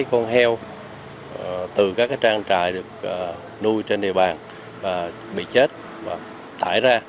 thấy con heo từ các trang trại được nuôi trên địa bàn bị chết và tải ra